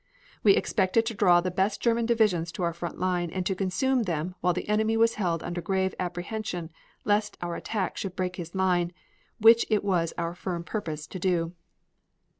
We expected to draw the best German divisions to our front and to consume them while the enemy was held under grave apprehension lest our attack should break his line, which it was our firm purpose to do.